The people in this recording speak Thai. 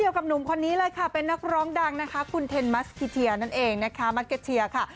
กับนุ่มคนนี้เลยค่ะเป็นนักร้องดังคุณเทณ์มัสเก็ทเซียนะคะ